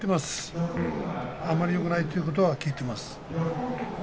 あんまりよくないということは聞いています。